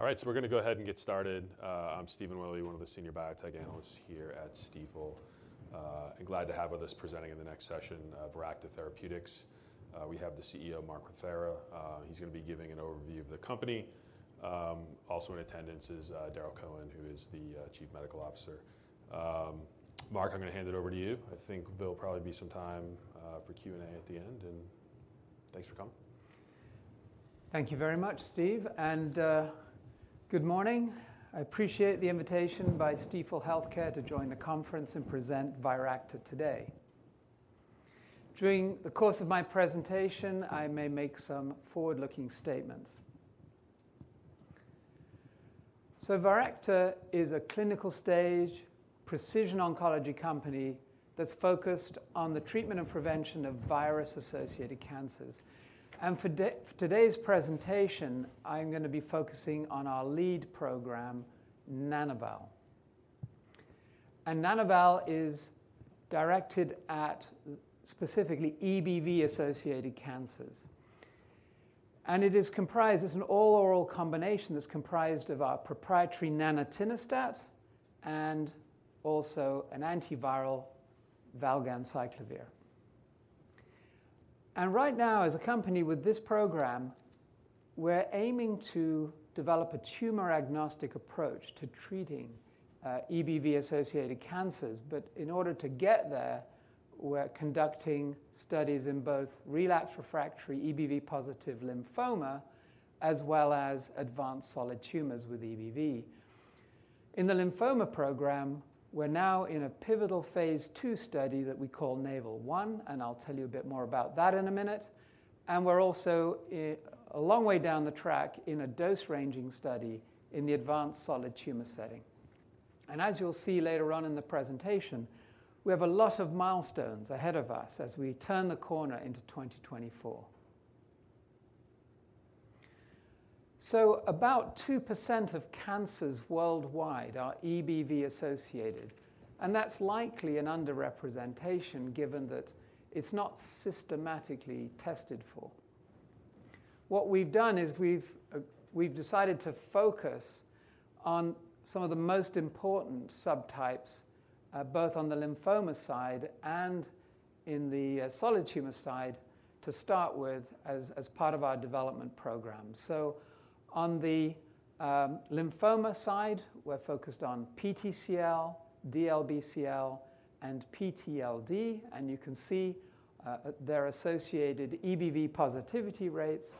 All right, so we're gonna go ahead and get started. I'm Stephen Willey, one of the senior biotech analysts here at Stifel. I'm glad to have with us, presenting in the next session, Viracta Therapeutics. We have the CEO, Mark Rothera. He's gonna be giving an overview of the company. Also in attendance is Darrel Cohen, who is the Chief Medical Officer. Mark, I'm gonna hand it over to you. I think there'll probably be some time for Q&A at the end, and thanks for coming. Thank you very much, Steve, and good morning. I appreciate the invitation by Stifel Healthcare to join the conference and present Viracta today. During the course of my presentation, I may make some forward-looking statements. So Viracta is a clinical stage precision oncology company that's focused on the treatment and prevention of virus-associated cancers, and for today's presentation, I'm gonna be focusing on our lead program, Nana-val. And Nana-val is directed at specifically EBV-associated cancers, and it is an all-oral combination that's comprised of our proprietary nanatinostat and also an antiviral, valganciclovir. And right now, as a company with this program, we're aiming to develop a tumor-agnostic approach to treating EBV-associated cancers. But in order to get there, we're conducting studies in both relapse refractory EBV-positive lymphoma, as well as advanced solid tumors with EBV. In the lymphoma program, we're now in a pivotal phase 2 study that we call NAVAL-1, and I'll tell you a bit more about that in a minute. We're also a long way down the track in a dose-ranging study in the advanced solid tumor setting. As you'll see later on in the presentation, we have a lot of milestones ahead of us as we turn the corner into 2024. About 2% of cancers worldwide are EBV-associated, and that's likely an underrepresentation, given that it's not systematically tested for. What we've done is we've we've decided to focus on some of the most important subtypes, both on the lymphoma side and in the solid tumor side, to start with, as part of our development program. So on the lymphoma side, we're focused on PTCL, DLBCL, and PTLD, and you can see their associated EBV positivity rates.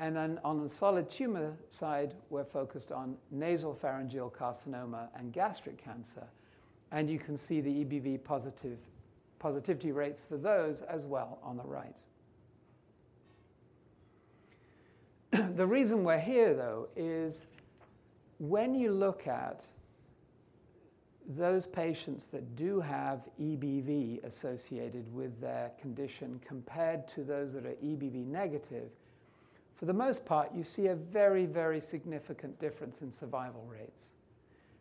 And then, on the solid tumor side, we're focused on nasopharyngeal carcinoma and gastric cancer, and you can see the EBV positivity rates for those as well on the right. The reason we're here, though, is when you look at those patients that do have EBV associated with their condition compared to those that are EBV negative, for the most part, you see a very, very significant difference in survival rates.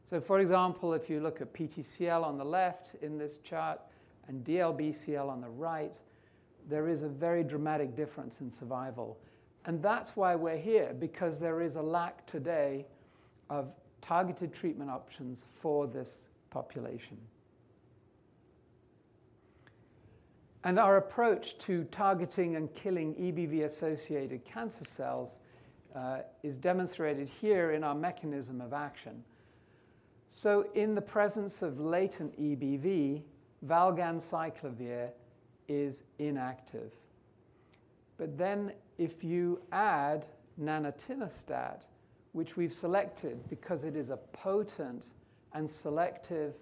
So, for example, if you look at PTCL on the left in this chart and DLBCL on the right, there is a very dramatic difference in survival, and that's why we're here because there is a lack today of targeted treatment options for this population. Our approach to targeting and killing EBV-associated cancer cells is demonstrated here in our mechanism of action. So in the presence of latent EBV, valganciclovir is inactive. But then, if you add nanatinostat, which we've selected because it is a potent and selective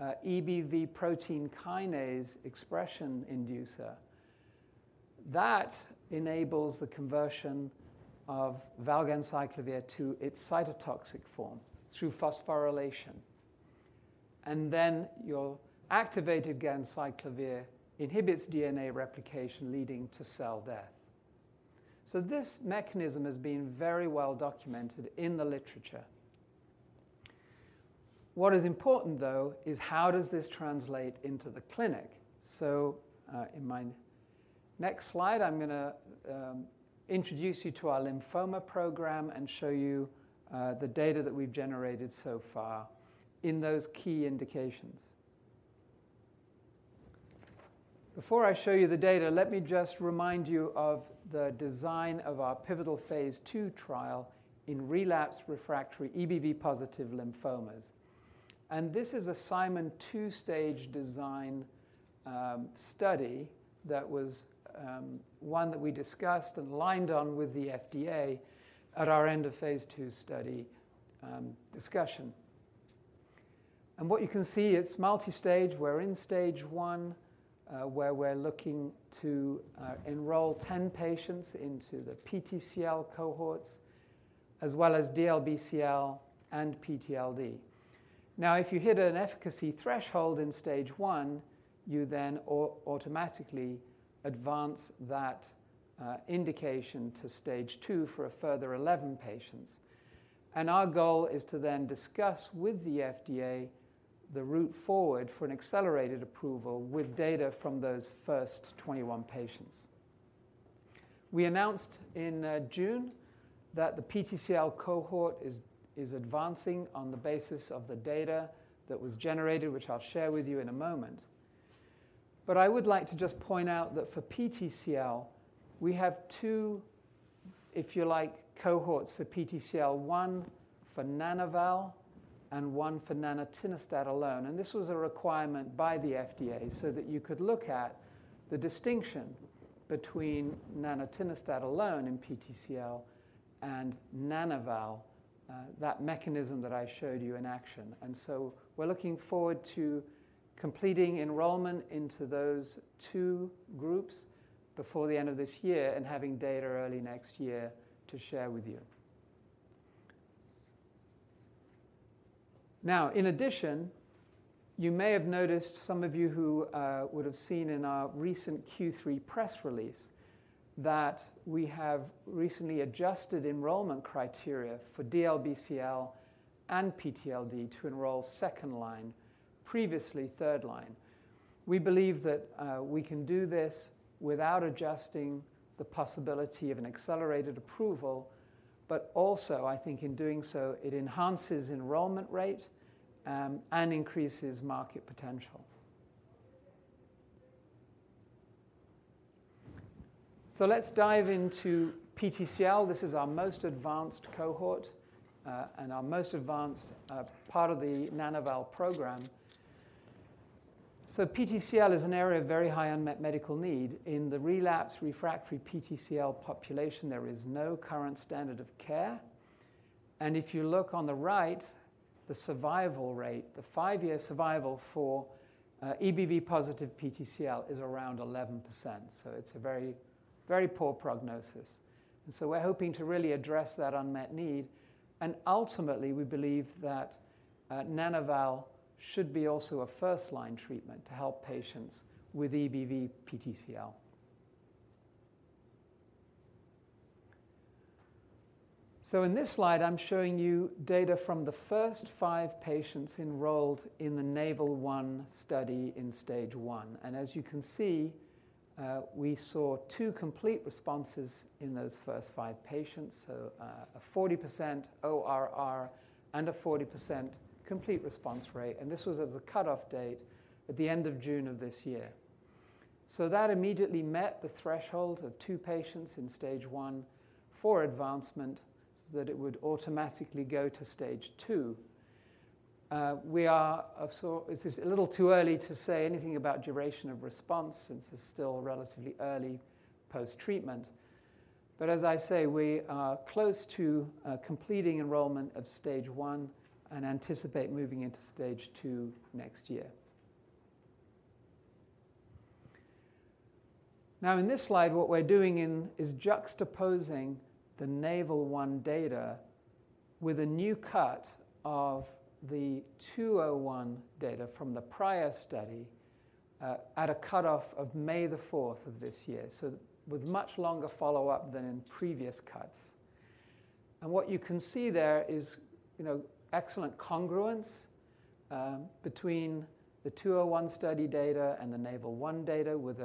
EBV protein kinase expression inducer, that enables the conversion of valganciclovir to its cytotoxic form through phosphorylation. And then, your activated ganciclovir inhibits DNA replication, leading to cell death. So this mechanism has been very well documented in the literature. What is important, though, is how does this translate into the clinic? So, in my next slide, I'm gonna introduce you to our lymphoma program and show you the data that we've generated so far in those key indications. Before I show you the data, let me just remind you of the design of our pivotal Phase 2 trial in relapsed/refractory EBV-positive lymphomas. This is a Simon two-stage design study that was one that we discussed and aligned on with the FDA at our end of Phase 2 study discussion. What you can see, it's multistage. We're in Stage 1, where we're looking to enroll 10 patients into the PTCL cohorts, as well as DLBCL and PTLD. Now, if you hit an efficacy threshold in Stage 1, you then automatically advance that indication to Stage 2 for a further 11 patients, and our goal is to then discuss with the FDA the route forward for an accelerated approval with data from those first 21 patients. We announced in June that the PTCL cohort is advancing on the basis of the data that was generated, which I'll share with you in a moment. But I would like to just point out that for PTCL, we have two, if you like, cohorts for PTCL, one for Nana-val and one for nanatinostat alone, and this was a requirement by the FDA so that you could look at the distinction between nanatinostat alone in PTCL and Nana-val, that mechanism that I showed you in action. And so we're looking forward to completing enrollment into those two groups before the end of this year and having data early next year to share with you. Now, in addition, you may have noticed, some of you who would have seen in our recent Q3 press release, that we have recently adjusted enrollment criteria for DLBCL and PTLD to enroll second line, previously third line. We believe that we can do this without adjusting the possibility of an accelerated approval, but also, I think in doing so, it enhances enrollment rate and increases market potential. So let's dive into PTCL. This is our most advanced cohort and our most advanced part of the Nana-val program. So PTCL is an area of very high unmet medical need. In the relapsed-refractory PTCL population, there is no current standard of care, and if you look on the right, the survival rate, the five-year survival for EBV-positive PTCL is around 11%, so it's a very, very poor prognosis. And so we're hoping to really address that unmet need, and ultimately, we believe that, Nana-val should be also a first-line treatment to help patients with EBV PTCL. So in this slide, I'm showing you data from the first 5 patients enrolled in the NAVAL-1 study in Stage 1, and as you can see, we saw 2 complete responses in those first 5 patients, so, a 40% ORR and a 40% complete response rate, and this was at the cutoff date at the end of June of this year. So that immediately met the threshold of 2 patients in Stage 1 for advancement, so that it would automatically go to Stage 2. It's a little too early to say anything about duration of response since it's still relatively early post-treatment, but as I say, we are close to completing enrollment of Stage 1 and anticipate moving into Stage 2 next year. Now in this slide, what we're doing is juxtaposing the NAVAL-1 data with a new cut of the 201 data from the prior study at a cutoff of May 4 of this year, so with much longer follow-up than in previous cuts. What you can see there is, you know, excellent congruence between the 201 study data and the NAVAL-1 data, with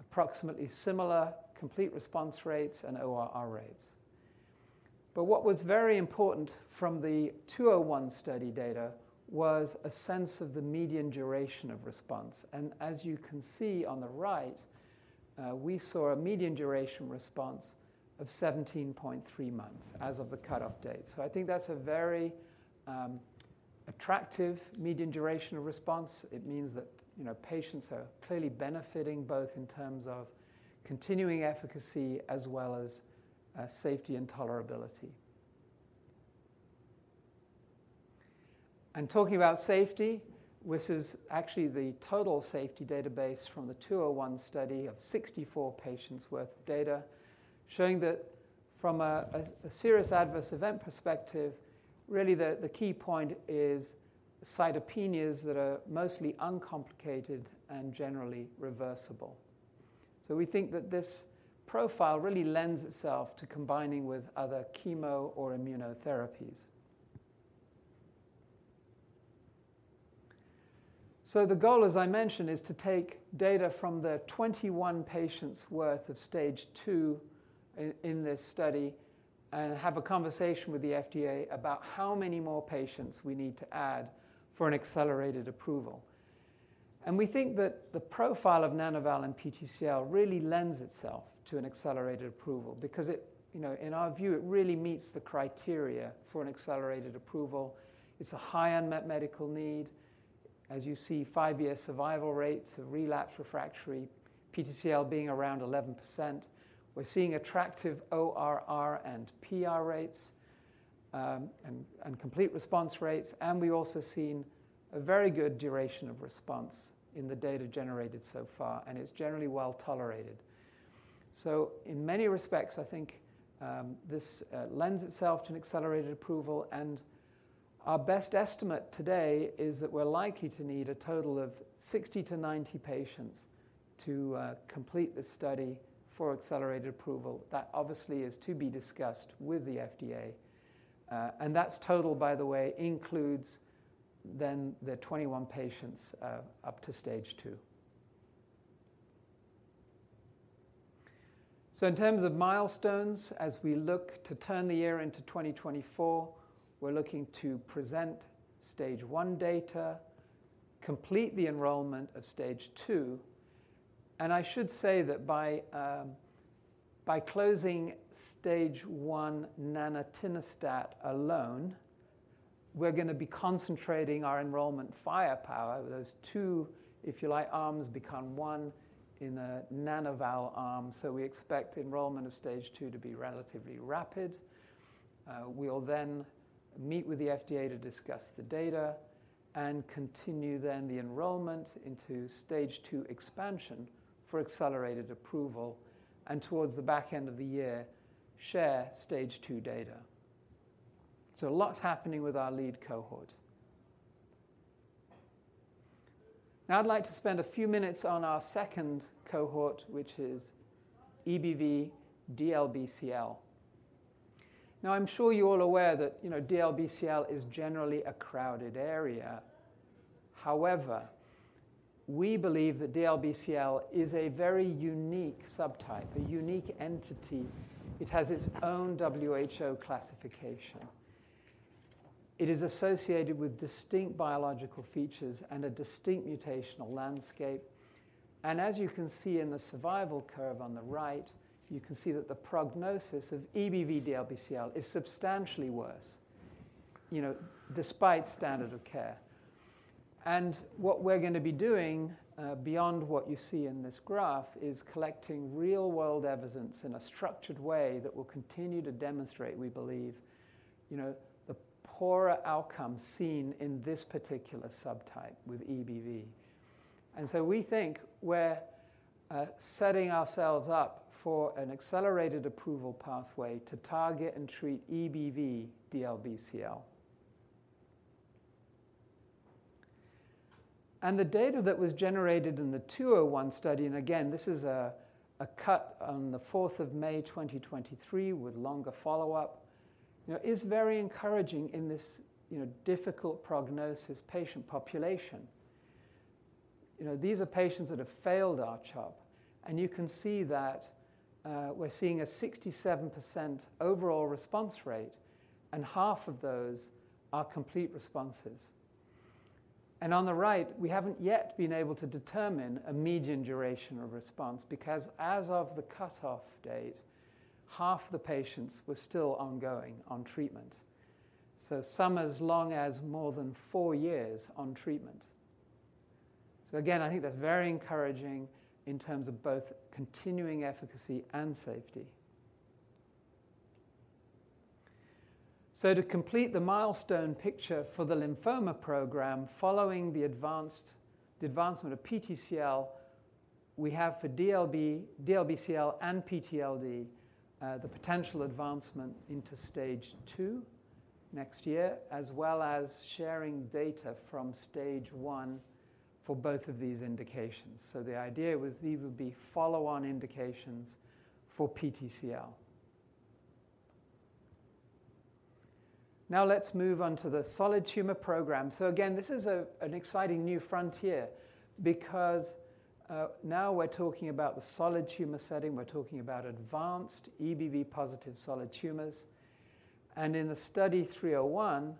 approximately similar complete response rates and ORR rates. But what was very important from the 201 study data was a sense of the median duration of response, and as you can see on the right, we saw a median duration response of 17.3 months as of the cutoff date. So I think that's a very attractive median duration of response. It means that, you know, patients are clearly benefiting, both in terms of continuing efficacy as well as safety and tolerability. And talking about safety, this is actually the total safety database from the 201 study of 64 patients worth of data, showing that from a serious adverse event perspective, really, the key point is cytopenias that are mostly uncomplicated and generally reversible. So we think that this profile really lends itself to combining with other chemo or immunotherapies. So the goal, as I mentioned, is to take data from the 21 patients worth of Stage 2 in this study and have a conversation with the FDA about how many more patients we need to add for an accelerated approval. We think that the profile of Nana-val in PTCL really lends itself to an accelerated approval because it... you know, in our view, it really meets the criteria for an accelerated approval. It's a high unmet medical need. As you see, 5-year survival rates of relapsed refractory PTCL being around 11%. We're seeing attractive ORR and PR rates and complete response rates, and we've also seen a very good duration of response in the data generated so far, and it's generally well-tolerated. So in many respects, I think, this lends itself to an accelerated approval, and our best estimate today is that we're likely to need a total of 60-90 patients to complete this study for accelerated approval. That obviously is to be discussed with the FDA, and that's total, by the way, includes then the 21 patients up to Stage Two. So in terms of milestones, as we look to turn the year into 2024, we're looking to present Stage One data, complete the enrollment of Stage Two, and I should say that by closing Stage One nanatinostat alone, we're gonna be concentrating our enrollment firepower. Those two, if you like, arms become one in a Nana-val arm, so we expect enrollment of Stage Two to be relatively rapid. We'll then meet with the FDA to discuss the data and continue then the enrollment into Stage 2 expansion for accelerated approval, and towards the back end of the year, share Stage 2 data. So a lot's happening with our lead cohort. Now, I'd like to spend a few minutes on our second cohort, which is EBV DLBCL. Now, I'm sure you're all aware that, you know, DLBCL is generally a crowded area. However, we believe that DLBCL is a very unique subtype, a unique entity. It has its own WHO classification. It is associated with distinct biological features and a distinct mutational landscape, and as you can see in the survival curve on the right, you can see that the prognosis of EBV DLBCL is substantially worse, you know, despite standard of care. And what we're gonna be doing, beyond what you see in this graph, is collecting real world evidence in a structured way that will continue to demonstrate, we believe, you know, the poorer outcome seen in this particular subtype with EBV. And so we think we're setting ourselves up for an accelerated approval pathway to target and treat EBV DLBCL. And the data that was generated in the 201 study, and again, this is a cut on the fourth of May, 2023, with longer follow-up, you know, is very encouraging in this, you know, difficult prognosis patient population. You know, these are patients that have failed R-CHOP, and you can see that, we're seeing a 67% overall response rate, and half of those are complete responses. And on the right, we haven't yet been able to determine a median duration of response because, as of the cutoff date, half the patients were still ongoing on treatment, so some as long as more than 4 years on treatment. So again, I think that's very encouraging in terms of both continuing efficacy and safety. So to complete the milestone picture for the lymphoma program, following the advancement of PTCL, we have for DLBCL and PTLD the potential advancement into Stage Two next year, as well as sharing data from Stage One for both of these indications. So the idea was these would be follow-on indications for PTCL. Now, let's move on to the solid tumor program. So again, this is an exciting new frontier because now we're talking about the solid tumor setting. We're talking about advanced EBV-positive solid tumors, and in the study 301,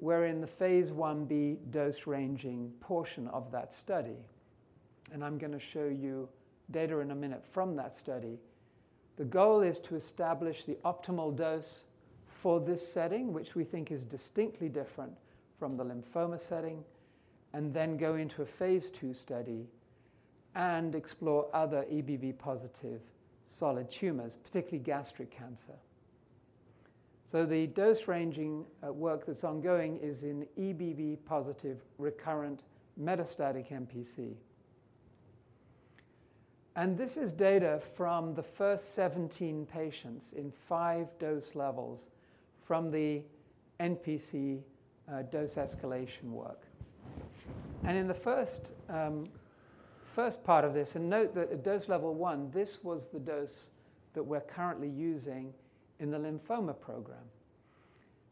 we're in the phase I-b dose-ranging portion of that study, and I'm gonna show you data in a minute from that study. The goal is to establish the optimal dose for this setting, which we think is distinctly different from the lymphoma setting, and then go into a phase II study and explore other EBV-positive solid tumors, particularly gastric cancer. So the dose-ranging work that's ongoing is in EBV-positive recurrent metastatic NPC. This is data from the first 17 patients in 5 dose levels from the NPC dose escalation work. In the first part of this... and note that at dose level 1, this was the dose that we're currently using in the lymphoma program.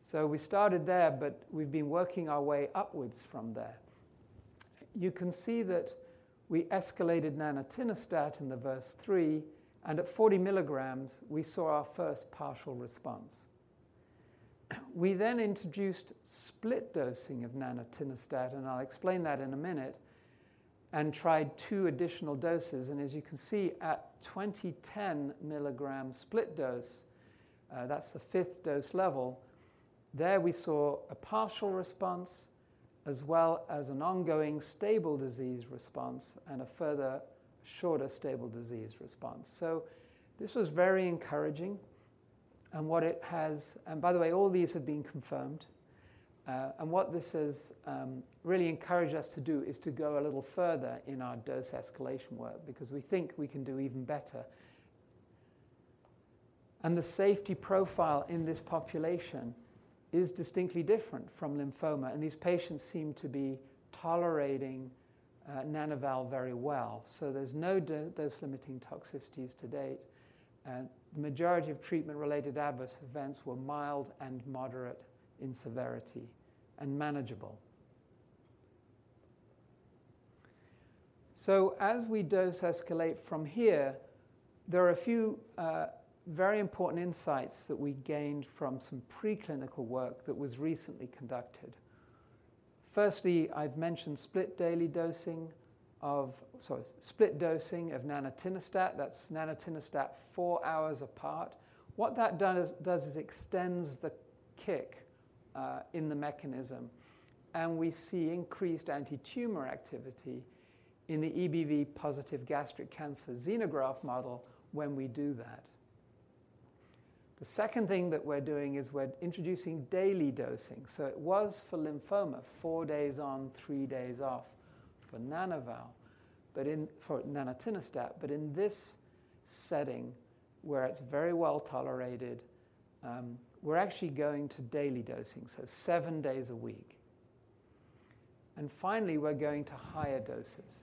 So we started there, but we've been working our way upwards from there. You can see that we escalated nanatinostat in Phase III, and at 40 milligrams, we saw our first partial response. We then introduced split dosing of nanatinostat, and I'll explain that in a minute, and tried two additional doses, and as you can see, at 20-10 milligram split dose, that's the fifth dose level, there we saw a partial response as well as an ongoing stable disease response and a further shorter stable disease response. So this was very encouraging, and what it has, and by the way, all these have been confirmed. And what this has really encouraged us to do is to go a little further in our dose escalation work because we think we can do even better. And the safety profile in this population is distinctly different from lymphoma, and these patients seem to be tolerating Nana-val very well. So there's no dose-limiting toxicities to date, and the majority of treatment-related adverse events were mild and moderate in severity, and manageable. So as we dose escalate from here, there are a few very important insights that we gained from some preclinical work that was recently conducted. Firstly, I've mentioned split dosing of nanatinostat. That's nanatinostat four hours apart. What that does is extends the kick in the mechanism, and we see increased antitumor activity in the EBV-positive gastric cancer xenograft model when we do that. The second thing that we're doing is we're introducing daily dosing. So it was for lymphoma, four days on, three days off for Nana-val, but in for nanatinostat. But in this setting, where it's very well-tolerated, we're actually going to daily dosing, so seven days a week. And finally, we're going to higher doses.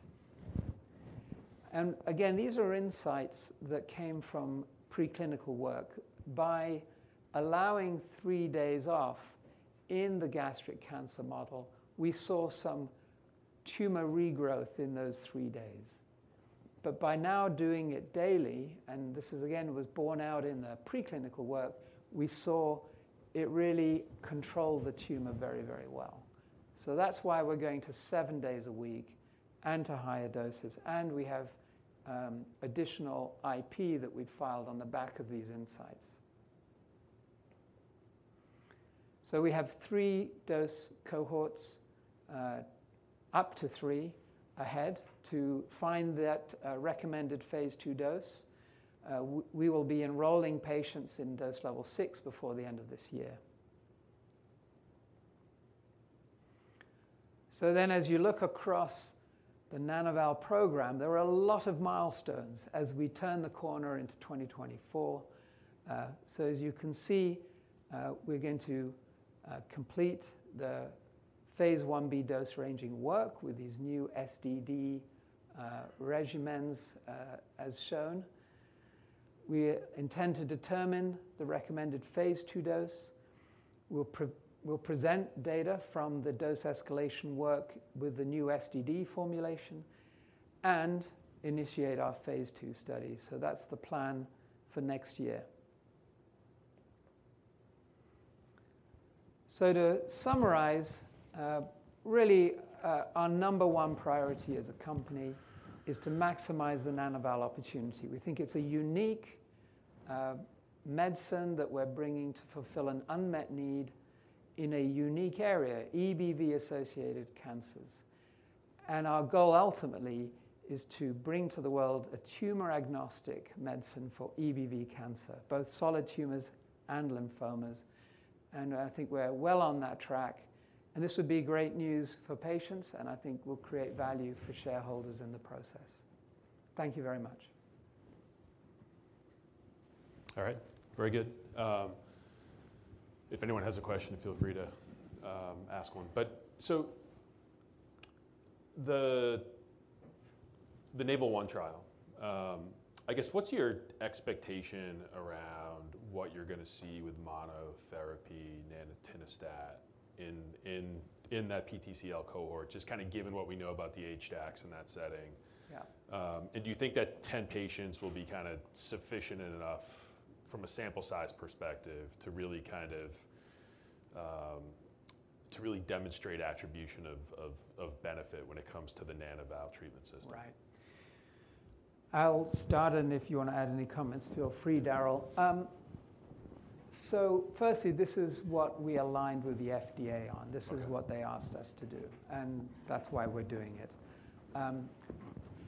And again, these are insights that came from preclinical work. By allowing 3 days off in the gastric cancer model, we saw some tumor regrowth in those 3 days. But by now doing it daily, and this is, again, was borne out in the preclinical work, we saw it really control the tumor very, very well. So that's why we're going to 7 days a week and to higher doses, and we have additional IP that we've filed on the back of these insights. So we have 3 dose cohorts up to 3 ahead to find that recommended Phase II dose. We will be enrolling patients in dose level 6 before the end of this year. So then, as you look across the Nana-val program, there are a lot of milestones as we turn the corner into 2024. So as you can see, we're going to complete the phase Ib dose-ranging work with these new SDD regimens. As shown, we intend to determine the recommended phase II dose. We'll present data from the dose escalation work with the new SDD formulation and initiate our phase II study. So that's the plan for next year. So to summarize, really, our number one priority as a company is to maximize the Nana-val opportunity. We think it's a unique medicine that we're bringing to fulfill an unmet need in a unique area, EBV-associated cancers. Our goal ultimately is to bring to the world a tumor-agnostic medicine for EBV cancer, both solid tumors and lymphomas, and I think we're well on that track. This would be great news for patients, and I think will create value for shareholders in the process. Thank you very much. All right. Very good. If anyone has a question, feel free to ask one. But, so the NAVAL-1 trial, I guess, what's your expectation around what you're gonna see with monotherapy nanatinostat in that PTCL cohort, just kinda given what we know about the HDACs in that setting? Yeah. And do you think that 10 patients will be kinda sufficient and enough from a sample size perspective to really kind of to really demonstrate attribution of benefit when it comes to the Nana-val treatment system? Right. I'll start, and if you wanna add any comments, feel free, Darrel. So firstly, this is what we aligned with the FDA on. Okay. This is what they asked us to do, and that's why we're doing it.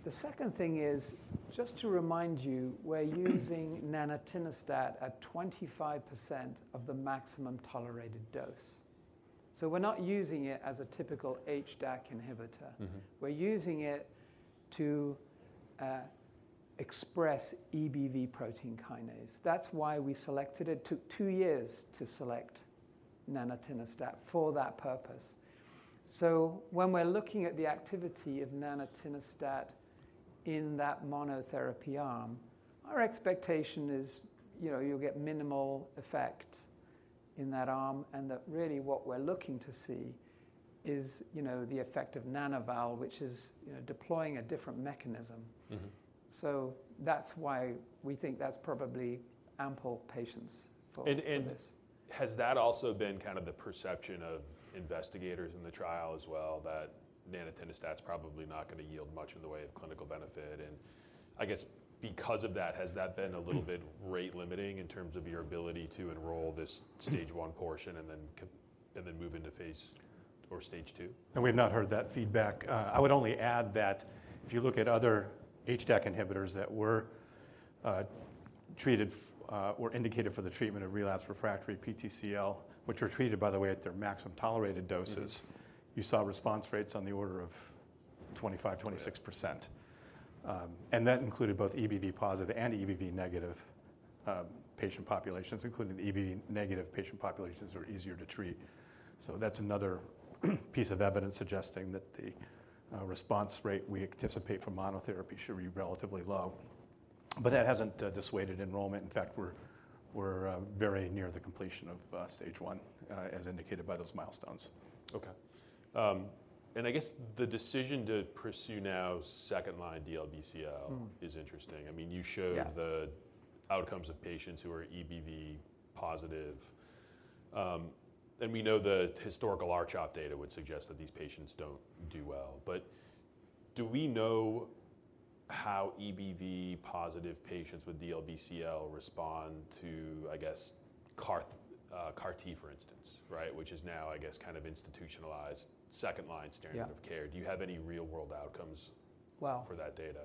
The second thing is, just to remind you, we're using nanatinostat at 25% of the maximum tolerated dose. So we're not using it as a typical HDAC inhibitor. Mm-hmm. We're using it to express EBV protein kinase. That's why we selected... It took two years to select nanatinostat for that purpose. So when we're looking at the activity of nanatinostat in that monotherapy arm, our expectation is, you know, you'll get minimal effect in that arm, and that really what we're looking to see is, you know, the effect of Nana-val, which is, you know, deploying a different mechanism. Mm-hmm. So that's why we think that's probably ample patients for- And, and- - for this... has that also been kind of the perception of investigators in the trial as well, that nanatinostat's probably not gonna yield much in the way of clinical benefit? And I guess because of that, has that been a little bit rate-limiting in terms of your ability to enroll this Stage I portion and then and then move into Phase or Stage II? No, we've not heard that feedback. I would only add that if you look at other HDAC inhibitors that were treated for or indicated for the treatment of relapsed refractory PTCL, which were treated, by the way, at their maximum tolerated doses- Mm-hmm... you saw response rates on the order of 25% to 26%.... and that included both EBV-positive and EBV-negative patient populations, including the EBV-negative patient populations, are easier to treat. So that's another piece of evidence suggesting that the response rate we anticipate from monotherapy should be relatively low. But that hasn't dissuaded enrollment. In fact, we're very near the completion of stage one, as indicated by those milestones. Okay. I guess the decision to pursue now second-line DLBCL- Mm. is interesting. I mean, you showed- Yeah... the outcomes of patients who are EBV positive. And we know the historical R-CHOP data would suggest that these patients don't do well. But do we know how EBV positive patients with DLBCL respond to, I guess, CAR T, for instance, right? Which is now, I guess, kind of institutionalized second-line standard- Yeah... of care. Do you have any real-world outcomes- Well- - for that data?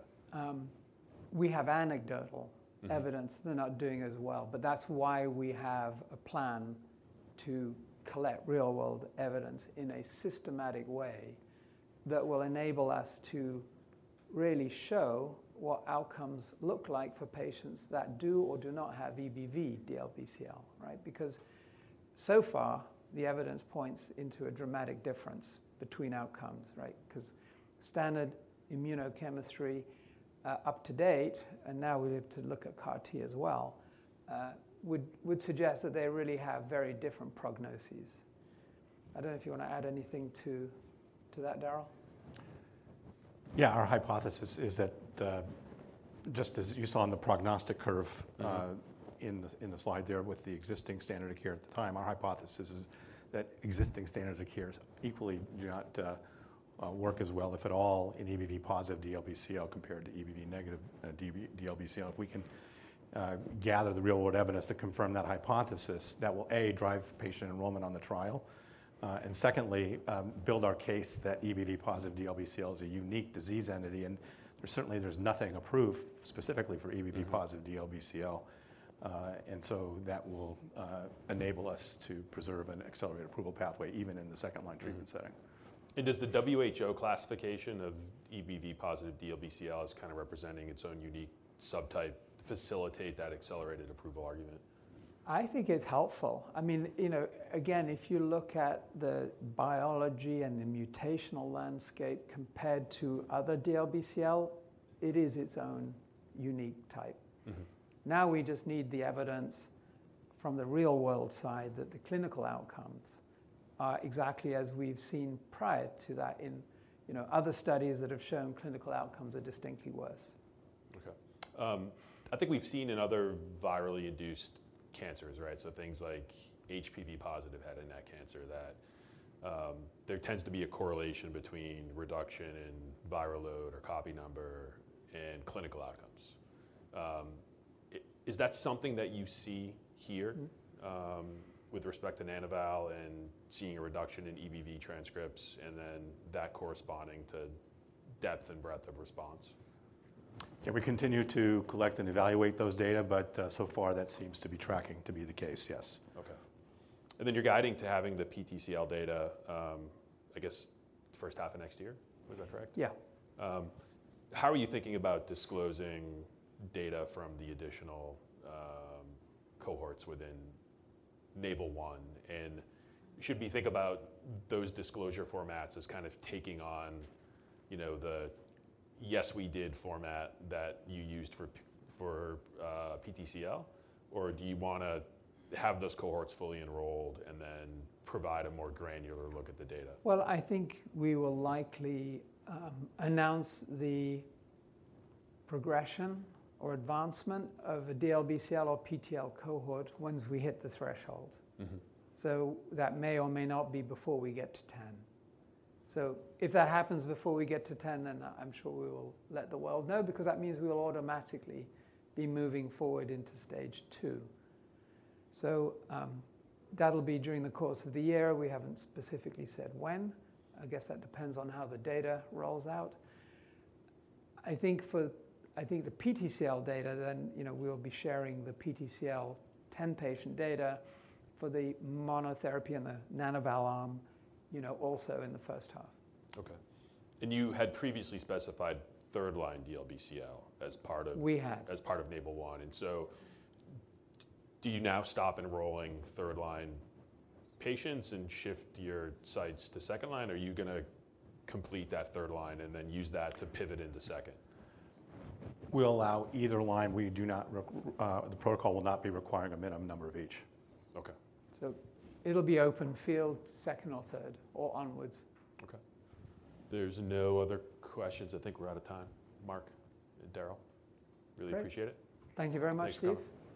We have anecdotal evidence- Mm-hmm... they're not doing as well, but that's why we have a plan to collect real-world evidence in a systematic way that will enable us to really show what outcomes look like for patients that do or do not have EBV DLBCL, right? Because so far, the evidence points to a dramatic difference between outcomes, right? 'Cause standard immunochemotherapy up to date, and now we have to look at CAR T as well, would suggest that they really have very different prognoses. I don't know if you wanna add anything to that, Darrel? Yeah. Our hypothesis is that, just as you saw in the prognostic curve- Yeah... in the slide there with the existing standard of care at the time, our hypothesis is that existing standards of care is equally do not work as well, if at all, in EBV positive DLBCL compared to EBV negative DLBCL. If we can gather the real-world evidence to confirm that hypothesis, that will, A, drive patient enrollment on the trial, and secondly, build our case that EBV positive DLBCL is a unique disease entity. And there's certainly nothing approved specifically for EBV positive- Mm-hmm... DLBCL. And so that will enable us to preserve an accelerated approval pathway, even in the second-line treatment setting. Mm. Does the WHO classification of EBV positive DLBCL as kind of representing its own unique subtype facilitate that accelerated approval argument? I think it's helpful. I mean, you know, again, if you look at the biology and the mutational landscape compared to other DLBCL, it is its own unique type. Mm-hmm. Now, we just need the evidence from the real-world side that the clinical outcomes are exactly as we've seen prior to that in, you know, other studies that have shown clinical outcomes are distinctly worse. Okay. I think we've seen in other virally induced cancers, right? So things like HPV-positive head and neck cancer, that there tends to be a correlation between reduction in viral load or copy number and clinical outcomes. Is that something that you see here- Mm-hmm... with respect to Nana-val and seeing a reduction in EBV transcripts, and then that corresponding to depth and breadth of response? Yeah. Yeah. We continue to collect and evaluate those data, but, so far, that seems to be tracking to be the case, yes. Okay. And then, you're guiding to having the PTCL data, I guess, H1 of next year? Is that correct? Yeah. How are you thinking about disclosing data from the additional cohorts within NAVAL-1? And should we think about those disclosure formats as kind of taking on, you know, the "yes, we did" format that you used for PTCL? Or do you wanna have those cohorts fully enrolled and then provide a more granular look at the data? Well, I think we will likely announce the progression or advancement of a DLBCL or PTCL cohort once we hit the threshold. Mm-hmm. So that may or may not be before we get to 10. So if that happens before we get to 10, then I'm sure we will let the world know because that means we will automatically be moving forward into stage two. So, that'll be during the course of the year. We haven't specifically said when. I guess that depends on how the data rolls out. I think the PTCL data, then, you know, we'll be sharing the PTCL 10-patient data for the monotherapy and the Nana-val arm, you know, also in the H1. Okay. You had previously specified third-line DLBCL as part of- We had. as part of NAVAL-1, and so do you now stop enrolling third-line patients and shift your sights to second line, or are you gonna complete that third line and then use that to pivot into second? We'll allow either line. We do not, the protocol will not be requiring a minimum number of each. Okay. It'll be open-label, second or third, or onwards. Okay. There's no other questions. I think we're out of time. Mark and Darrel- Great... really appreciate it. Thank you very much, Steve.